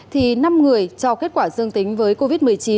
thì năm người cho kết quả dương tính với covid một mươi chín